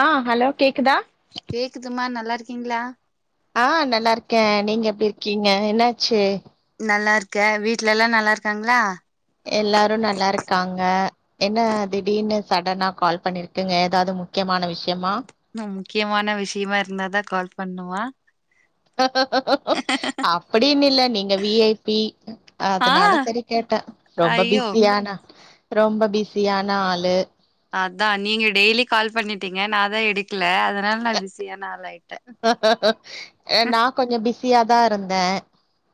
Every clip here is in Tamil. ஆ ஹலோ கேக்குதா கேக்குதுமா நல்லா இருக்கீங்களா ஆ நல்லா இருக்கே நீங்க எப்டி இருக்கீங்க என்னாச்சு நல்லா இருக்கே வீட்ல எல்லா நல்லா இருக்காங்களா எல்லாரு நல்லா இருக்காங்க என்ன திடீனு சடனா கால் பண்ணிருக்கிங்க ஏதாவது முக்கியமான விஷ் மேம் முக்கியமான விஷியமா இருந்தாதா கால் பண்ணுமா அப்டின் இல்ல நீங்க வி ஐ பி ஆ அதனால செரி கேட்டே ரொம்ப ஐயோ பிஸியானு ரொம்ப பிஸியான ஆளு அதா நீங்க டெய்லி கால் பண்ணிட்டீங்க நாதா எடுக்கல அதனால நா பிஸியான ஆளு ஏ நா கொஞ்சோ பிஸ் சியாதா இருந்தே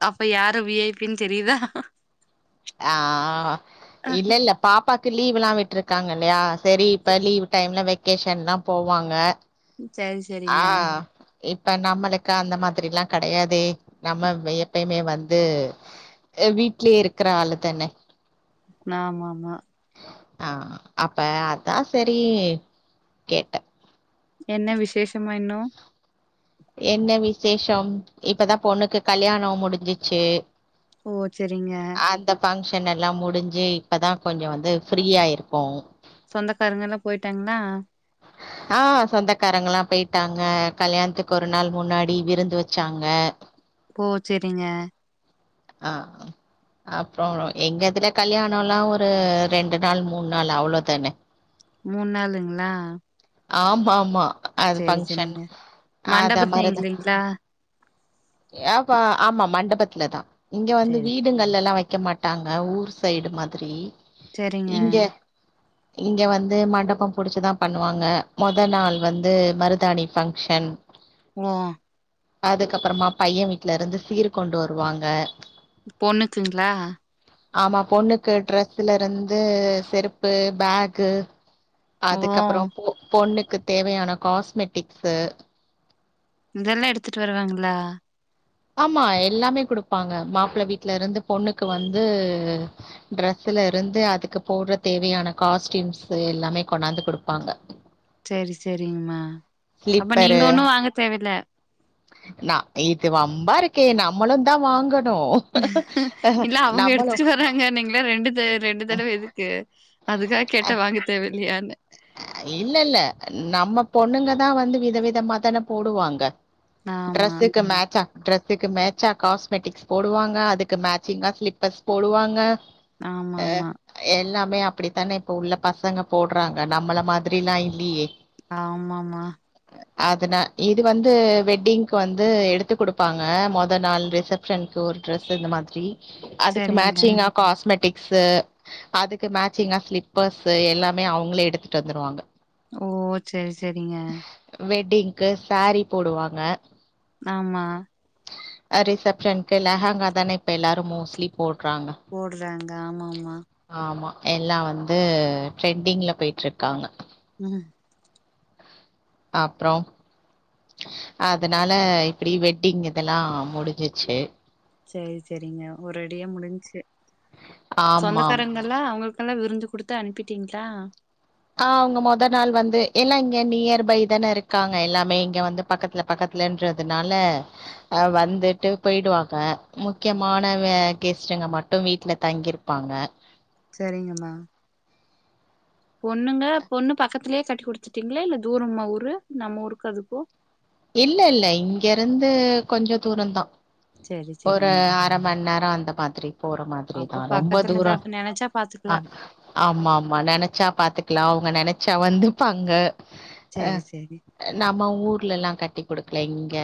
அப்ப யாரு வி ஐ பி-ன் தெரிதா ஆஹ் இல்ல இல்ல பாப்பாக் கு லீவ் எல்லா விட்டுருக்காங்க இல்லையா சேரி இப்ப லீவ் டைம்ல வெ க்கேஷன்லா போவாங்க சேரி ஆ சேரிங்க இப்ப நம்மளுக்கு அந்த மாதிரிலா கெடையாதே நம்ம எப்பயுமே வந்து வீட்லயே இருக்கிற ஆளு தான ஆமா ஆமா ஆ அப்ப அதா சரி கேட்டே என்ன விசேஷமா இன்னு என்ன விசேஷம் இப்பதா பொண்ணுக்கு கல்யாணோ முடிஞ்சிச்சு ஓ செரிங்க ன் எல்லா முடிஞ்சு இப்பதா கொஞ்சோ வந்து ஃப்ரீயா இருக்கோ சொந்தக்காரங்கெல்லா போய்ட்டாங்ளா ஆ சொந்தக்காரங்கல்லா போய்ட்டாங்க கல்யாணத்துக்கு ஒரு நாள் முன்னாடி விருந்து வெச்சாங்க ஓ செரிங்க ஆ உ அப்றோ எங்க இதுல கல்யாணோல்லா ஒரு ரெண்டு நாள் மூண் நாள் அவ்ளோதான மூண் நாளுங்ளா ஆமா ஆமா அது ஃபங்க்ஷன் அத மண்டபத்து மாரி தா இல்லைங்களா ஏப்பா ஆமா மண்டபத் துல தா இங்க வந்து சரி வீடுங்களெல்லா வை க்க மாட்டாங்க ஊர் சைடு மாதிரி செரிங்க இங்க இங்க வந்து மண்டபம் புடிச்சு தா பண்ணுவாங்க மொத நாள் வந்து மருதாணி ஃபங்க்ஷன் ங்க அதுக்கப்பறமா பைய வீட்லருந்து சீரு கொண்டு வருவாங்க பொண்ணுக்குங்ளா ஆமா பொண்ணுக்கு ட்ரஸ்லருந்து செருப்பு, பேகு ஓ அதுக்கப்பறோ பொ பொண்ணுக் கு தேவையான காஸ்மெட்டிக்ஸு இதெல்லா எடுத்துட்டு வருவாங்ளா ஆமா எல்லாமே குடுப்பாங்க மாப்ள வீட்லருந்து பொண்ணுக்கு வந்து ட்ரெஸ்லருந்து அதுக்கு போட்ற தேவையான காஸ்ட்யூம்ஸு எல்லாமே கொண்னாந்து குடுப்பாங்க சேரி சேரிங்மா அப்ப நீங்க ஸ்லிப்பரு ஒன்னு வாங்க தேவயில்ல நா இது வம்பாருக்கே நம்மளு தா வாங்க னு இல்ல அவங்க நம்மளு எடுத்துட்டு வராங்க நீங்களா ரெண்டு த ரெண்டு தடவ எதுக்கு அதுக்காக கேட்டே வாங்க தேவ இல்லயானு அ இல்ல இல்ல நம்ம பொண்ணுங்கதா வந்து வித விதமா தான போடுவாங்க ஆமா ட்ரஸ்ஸுக்கு மேட்சா ட்ரெஸ்ஸுக்கு மேட்சா காஸ்மெட்டிக்ஸ் போடுவாங்க அதுக்கு மேச்சிங்கா ஸ்லிப்பர்ஸ் போடுவாங்க ஆமா ஆமா மே அப்படித்தான இப்ப உள்ள பசங்க போட்றாங் க நம்மள மாதிரிலா இல்லியே ஆமாமா அதனா இது வந்து வெட்டிங்க்கு வந்து எடுத்து குடுப்பாங்க மொத நாள் ரிசப்ஷன்க்கு ஒரு ட்ரஸ் இந்த மாதிரி அதுக்கு சரிங்க மேச்சிங்கா காஸ்மெட் பிக்ஸ்சு அதுக்கு மேச்சிங்கா ஸ்லிப்பர்ஸ்ஷு எல்லாமே அவங்களே எடுத்துட்டு வந்துருவாங்க ஓ சேரி சேரிங்க இங்கு சேரி போடுவாங்க ஆமா அ ரிசப்ஷன்க்கு லெஹங்கா தானே இப்ப எல்லாரு மோஸ்ட்லி போட்றாங்க போடுறாங்க ஆமா ஆமா ஆமா எல்லா வந்து ட்ரெண்டிங்ல போயிட்ருக்காங்க ம் அப்புறோம் அதனால இப்டி வெட்டிங் இதெல்லா முடிஞ்சிச்சு சேரி சேரிங்க ஒரடியா முடிஞ்ச்சு ஆமா ஆமா ஆமா சொந்தக்காரங்கல்லா அவங்களுக் ல்லா விருந்து குடுத்து அனுப்பிட்டீங்களா ஆ அவங்க மொத நாள் வந்து எல்லா இங்க நியர் பை தான இருக்காங்க எல்லாமே இங்க வந்து பக்கத்துல பக்கத்துலன்றதுனால அ வந்துட்டு போய்டுவாங்க முக்கியமானவ கெஸ்ட்டுங்க மட்டு வீட்டுல தங்கியிருப்பாங்க செரிங்கம்மா பொண்ணுங்க பொண்ணு பக்கத்திலேயே கட்டி குடுத்துட்டீங்களா இல்ல தூரமா ஊரு நம்ம ஊருக்கு அதுக்கு இல்ல இல்ல இங்கறந்து கொஞ்சோ தூர தா செரி ஒரு செரிங்க அரை மண் நேர அந்த மாதி ரி போற மாதிரிதா அப்ப ரொம்ப பக்கத்துலதா தூர நெனச்சா ஆ பாத்துக்கலா ஆமாமாம நெனைச்சா பாத்துக்கலா அவங்க நெனைச்சா சா வந்துப்பாங்க அ செரி செரி நம்ம ஊர்லல்லா குடுக்கல இங்க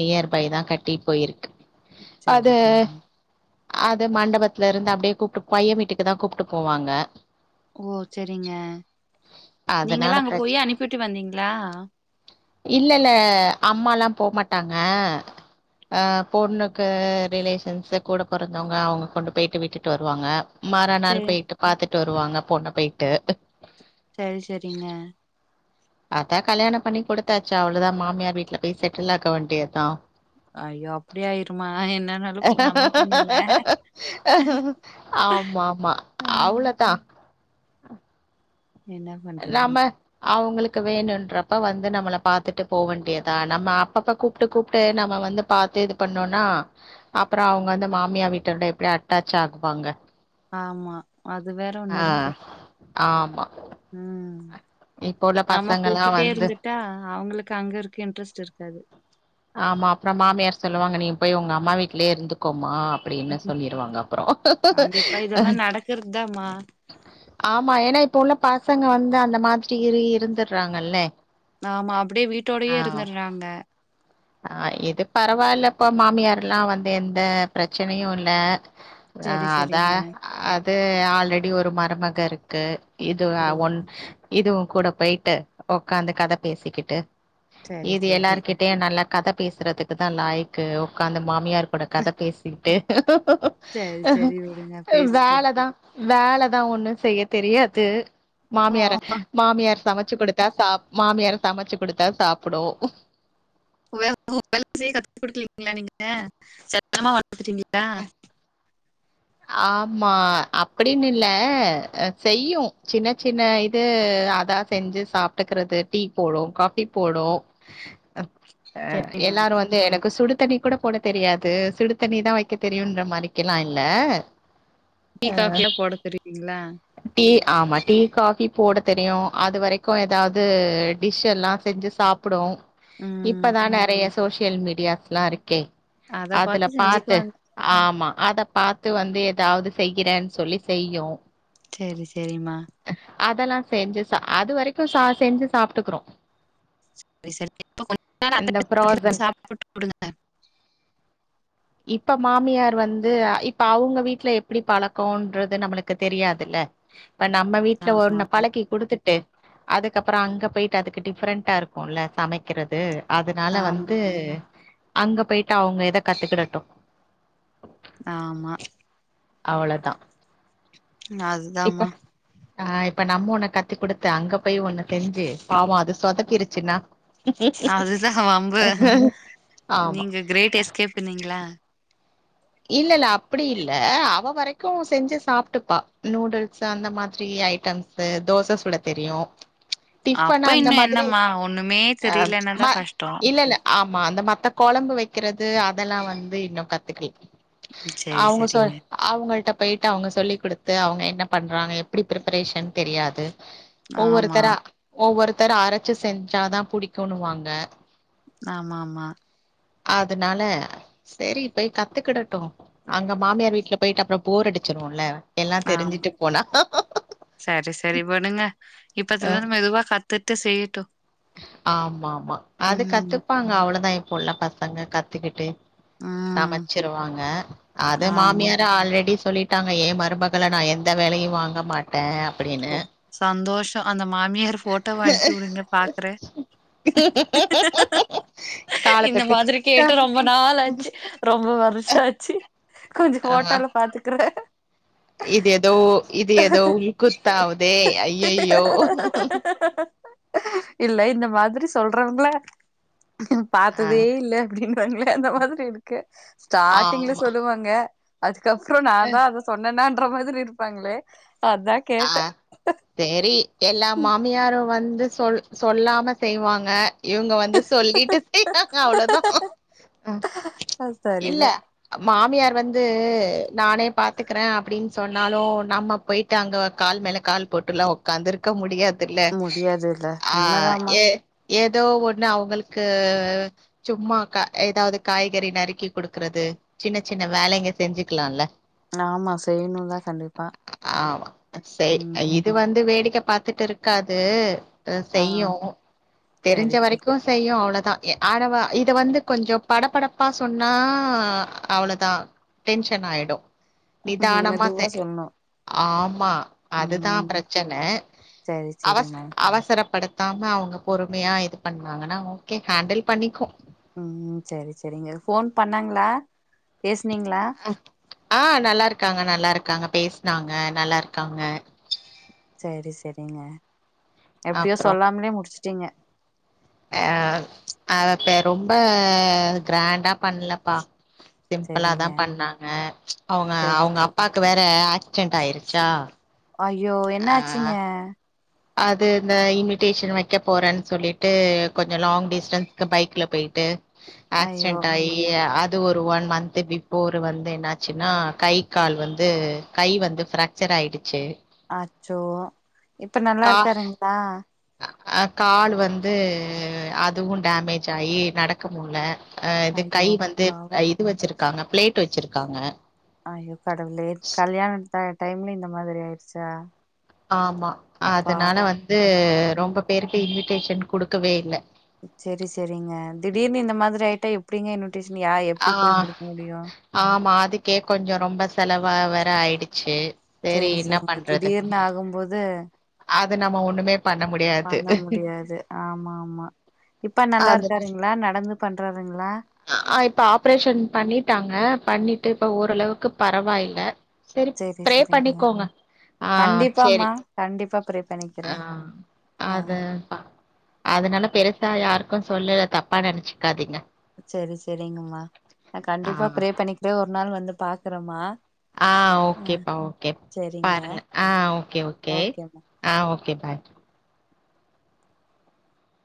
நியர் பை தா கட்டிட் போய்க்கு செரி சேரிங் அது மண்டபத்துல இருந்து அப்டியே கூப்ட்டு பைய வீட்டுக்கு தா கூப்ட்டு போவாங்க ஓ செரிங்க அதனால நீங்கல்லா அங்க பிரச்ச போயி அனுப்புட்டு வந்தீங்களா இல்லல்ல அம்மாலா போமாட்டாங்க ஆ அ பொண்ணுக்கு ரிலேஷன்ஸூ கூட பொறந்தவங்க அவங்க கொண்டு போய்ட்டு விட்டுட்டு வருவாங்க மறா நாள் செரி போயிட்டு பாத்துட் ட்டு வருவாங்க பொண்ண போய்ட்டு சரி சரிங்க அதா கல்யாண பண்ணி கொடுத்தாச்சு அவ்வளவுதா மாமியார் வீட்டுல போய் செட்டில் ஆக்காவேண்டியதுதா ஐயோ அப்டி ஆயிருமா என்னனாலு நம்ம பொண்ணுல்ல ஆமா ஆமா ஆ அவ்ளத்தா அ என்னா பண்றது அவங்களுக்கு வேணும்ன்றப்ப வந்து நம்மள பாத்துட்டு போகவேண்டியதா நம்ம அப்பப்ப கூப்ட்டு கூப்ட்டு நம்ம வந்து பாத்து இது பண்ணோம்னா அப்புற அவங்க வந்து மாமியா வீட்டோட எப்டி அட்டாச் ஆகுவாங்க ஆமா அது வேற ஒண்ணு ஆ இருக்கு ஆமா ம் இப்போ உள்ள நம்ம பசங்கல்லா கூப்டுட்டே வந்து இருந்துட்டா அவங்களுக் அங்க இருக்க இன்ட்ரெஸ்ட் இருக்காது ஆமா அப்ற மாமியார் சொல்லுவாங்க நீ போய் உங்க அம்மா வீட்லயே இருந்துக்கோமா அப்டின்னு சொல்லிருவாங்க அப்பற கண்டிப்பா இதெல்லா நடக்கறதுதாமா ஆமா ஏன்னா இப்ப உள்ள ப பசங்க வந்து அந்த மாதிரி இருந்துடுறாங்கல்லே ஆமா அப்டியே வீட்டோடயே இருந்தர்றாங்க ஆ இது பரவால்லப்பா மாமியார் எல்லா வந்து எந்த ப்ரச்சனையு இல்ல ஆ சரி அதா சரிங்க. அ ட்டு ஆல்ரெடி ஒரு மருமக இருக்கு இது ஓ! அ ஒன் இது கூட போயிட்டு ஒக்காந்து கத பேசிகிட்டு சரி இது சரி. எல்லாருகிட்டயு நல்லா கத பேசுறதுக்குதா லாயக்கு உக்காந்து மாமியார் கூட கத பேசிட்டு சரி சரி விடுங்க பேசிட்டோம். வேலதா வேலதா ஒண்ணு செய்ய தெரியாது ஓ! மாமியார மாமியார் சமைச் சமைச்சு குடுத்தா சா மாமியார சமைச்சு குடுத்தா சாப்பிடு வேலை செய்ய கத்துகுடுக்கலிங்ளா நீங்க செல்லமா வளத்துட்டிங்ளா ஆமா அப்படினு இல்ல செய்யு சின்ன சின்ன இது அதா செஞ்சு சாப்ட்டுக்கறது டீ போடு காஃபி போடு அ சரிம்மா. எல்லாரு வந்து எனக்கு சுடு தண்ணி கோட போட தெரியாது சுடு தண்ணி தா வக்க தெரியுன்ற மாரிக்கெல்லா இல்ல டீ, அ காஃபியா போட தெரியுங்களா? டீ ஆமா டீ காஃபி போட தெரியு அது வரைக்கு எதாது டிஷ் எல்லா செஞ்சு சாப்புடு ம். இப்பதா நறைய சோஷியல் மீடியாஸ்லா இருக்கே அத அதுல பாத்து செஞ்சுக்குவாங்க. ஆமா அத பாத் து வந்து எதாவுது செய்யறேனு சொல்லி செய்யு சரி சரிம்மா அதெல்லா செஞ்சு சா அது வரைக்கு ச செஞ்சு சாப்டுக்குரு சரி சரி. இப்ப கொஞ்ச நாள் அத்த இந்த ஃப்ரோசன் சாப்பிட்டு விடுங்க. இப்ப மாமியார் வந்து இப் அவுங்க வீட்ல எப்டி பழக்கன்றது நம்முளுக்கு தெரியாதில்ல இப்ப நம்ம வீட்ல ஆமா ஒன்ன பழக்கி குடுத்துட்டு அதுக்கப்புற அங்க போய்ட்டு அதுக்கு டிஃப்ரெண்ட்டா இருக்குல்ல சமைக்கறது அதனால வந்து ஆமாங்க. அங்க போயிட்டு அவங்க இத கத்துக்கிடட்டு ஆமா அவ்ளதா [inaudible] அதுதாமா அ இப்ப நம்ம ஒன்ன கத்து குடுத்து அங்க போயி ஒன்னு செஞ்சு பாவ அது சொதப்பிருச்சுனா அதுதா வம்பு ஆமா நீங்க கிரேட் எஸ்கேப் நீங்களா இல்ல இல்ல அப்படி இல்ல அவ வரைக்கு செஞ்சு சாப்டுப்பா நூடுல்ஸ் அந்த மாதிரி ஐட்டம்ஸு தோச சுட தெரியு டிஃபன் அப்ப அந்த இன்னு மாதிரி என்னம்மா ஒண்ணுமே தெரிலனாதா கஷ்ட மா அந்த மத்த கொழம்பு வக்கிறது அதெல்லா வந்து இன்னு கத்துக்கல செரி அவுங்க சொ செரிங்க அவுங்கள்ட்ட போயிட்டு அவுங்க சொல்லி குடு த்து அவுங்க என்ன பண்றாங்க எப்பிடி பிரிப்பரேஷன் தெரியாது ஆமா ஒவ்வொருத்தரா ஒவ்வொரு த்தர் அரைச்சு செஞ்சாதா புடிக்குனுவாங்க ஆமாமா அதனால சரி போய் கத்துக்கிட ட்டு அங்க மாமியார் வீட்ல போயிட்டு அப்புற போர் அடிச்சிருல்ல ஆம் சரி சரி விடுங்க அ இப்பதுலருந்து மெதுவா கத்துட் டு செய்யட்டு ஆமா ஆமா அது ம் கத்துப்பாங்க அவ்ளோதா இப்போ உள்ள பசங்க கத் துக்கிட்டு ம் சமைச்சிருவாங்க அத ஆமா மாமியார ஆல்ரெடி சொல்லிட் லிட்டாங்க ஏ மருமகள நா எந்த வேலையு வாங்க மாட்டே அப்டின்னு ஒ சந்தோஷ் ஸோ அந்த மாமியார் போட்டோவ அனுப்பி உடுங்க பாக்குறே கால இந்த தொட்டு மாதிரி க்கா கேட்டு ரொம்ப நாளாச்சு ரொம்ப வருஷோ ஆச்சு கொஞ்சே ஆ போட்டோல பாத்துக்கறே இது எதோ இது எதோ உள்க்குத் தாவுதே அய்யய்யோ இல்ல இந்த மாதிரி சொல்றவங்ள ம்ஹும் ஆ பாத்ததே இல்ல அப்டின்றாங்ளே அந்த மாதிரி இருக்கே ஸ்டாட்டிங்ல ஆமா சொல்லுவாங்க கப்புறோ நா அ தா அத சொன்னனான் ன்ற மாதிரி இருப்பாங்ளே அதா கே ஆ செரி எல்லா மாமியாரு வந் து சொல் சொல்லாம செய்வாங்க இவுங்க வந்து சொல்லிட்டு செய்வாங்க அவ்ளோதா அது இல்ல சரிதா மாமியார் வந் த்து நானே பாத்துக்கறே அப்டின்னு சொன்னாலு நம்ம போய்ட் டு அங்க கால் மேல கால் போட்டுல்லா ஒக்காந்துர்க்க முடியாத் துல்ல முடியாதுல்ல ஆ உண்மதாமா எ ஏதோ ஒண்ணு அவுங்ளுக்கு சும்மா கா எதாவுது காய்கறி நறுக்கி குடுக்கறது சின்ன சின்ன வேலைங்க செஞ்சிக்கிலான்ல ஆமா செய்ணு தா கண்டிப்பா ஆமா செய் எ ம் இது வந்து வேடிக் க பாத்துட்டுருக்காது அ ஆ செய்யூ தெரிஞ்ச சரி சரி வரைக்கு செய்யு அவ்ளோ தா ஏ ஆடவா இத வந்து கொஞ்சோ படப்படப்பா சொன்னா அவ்ளோதா டென்ஷன்னாய்டு நிதானம்மாத்தே மெதுவா சொல்ணு ஆமா அதுதா ம் ப்ரச்சன சரி அவஸ் சரிம்மா அவச ரப்படுத்தாம அவுங்க பொறுமயா இது பண்ணாங்கன்னா ஓகே ஹேண்டில் பண்ணிக்கு ம் செரி செரிங்க ஃபோன் பண்ணாங்ளா பேஸ் னிங்ளா ஆ நல்லாருக்காங்க நல்லாருக்காங்க பேஸ்னாங்க நல்லாருக்காங்க சேரி சரிங்க எப்டியோ சொல்லாம்லே முடிச் சிங்க அ அத அப்பே ரொம்ப க்ராண்டா பண்லப்பா சிம்பளா தா சரிங்க பண்ணாங்க அவுங்க சரி அவுங்க சரி அப்பாக்கு வேற ஆக்ஸ் ச்சண்ட் ஆயிருச்சா ஐயோ என்ன ஆ ஆச்சுங்க அது இந்த இன்விடேஷன் வைக்க போறேன் சொல்லிட்டு கொஞ்சம் லாங் டிஸ்டன்ஸ்க்கு பைக்ல போயிட்டு ஐயோ ஆக்ஸிடண்ட் ஆயி அ து ஒரு ஒன் மந்த்து பிஃபோர் வந்து என்னாச்சுன்னா கை கால் வந்து கை வந்து ஃப்ராக்சர் ஆகிடுச்சு அச்சோ இப்ப நல்லா இருக்காருங்களா அ கால் வந்து அதுவு டேமேஜ் ஆயி நடக்க முல அ இது கை ஐயோ வந்து பாவோ இது வச்சிருக் காங்க பிளேட் வச்சிருக்காங்க அய்யோ கடவுளே கல்யாணோ த டைம்ல இந்த மாதிரி ஆயிடுச்சா ஆமா அதனால பாவோ வந்து ம் ரொம்ப பேருக்கு இன் டேஷன் குடுக்கவே இல்ல சரி சரிங்க திடீர்னு இந்த மாதிரி ஆய்ட்டா எப்டிங்க இன் ஆ ஆமா அதுக்கே கொஞ்சம் ரொம்ப செல வா வேர ஆயிடுச்சு சேரி சரி என்ன சரிங்க பண்றது திடீர்னு ஆகும்போது அது நம்ம ஒண்ணுமே பண்ண முடியாது பண்ண முடியாது ஆமா ஆமா இப்ப நல்லா இருக்காருங்களா நடந்து பண்றாருங்களா அ இப்ப ஆப்ரேஷன் பண்ணிட்டாங்க பண்ணிட்டு இப்ப ஓரளவுக்கு பரவாயில்ல சரி சேரி ப்ரே சேரிங்க பண்ணிக்கோங்க ஆ கண்டிப்பாமா சேரி கண்டிப்பா ப்ரே பண்ணிக்கிறே ஆ ஆ அது அதனால பெரு தா யாருக்கு சொல்லல தப்பா நெனச்சுக்காதீங்க சரி சரிங்கம்மா நா ஆ கண்டிப்பா ப்ரே பண்ணிக்கிறே ஒரு நாள் வந்து பாக்குறமா ஆ ஓகேப்பா ஓகே சேரிங்க பாருங்க ஆ ஓகே ஓகே ஆ ஓ கே பாய்